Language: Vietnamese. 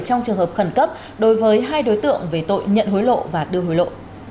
trong trường hợp khẩn cấp đối với hai đối tượng về tội nhận hối lộ và đưa hối lộ